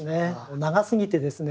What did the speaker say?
長すぎてですね